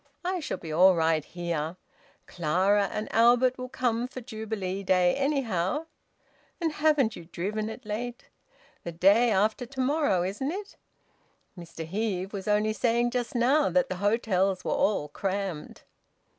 I shall be all right here. Clara and Albert will come for Jubilee Day, anyhow. But haven't you driven it late? ... The day after to morrow, isn't it? Mr Heve was only saying just now that the hotels were all crammed."